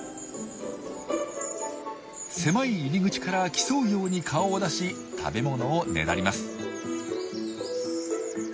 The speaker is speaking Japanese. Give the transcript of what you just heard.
狭い入り口から競うように顔を出し食べ物をねだります。